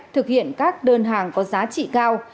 thực hiện các đơn hàng có giá trị cao